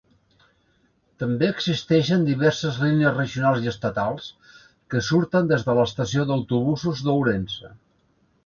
També existeixen diverses línies regionals i estatals que surten des de l'estació d'autobusos d'Ourense.